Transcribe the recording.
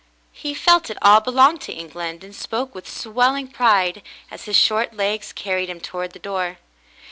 He felt it all belonged to England, and spoke with swelling pride as his short legs carried him toward the door.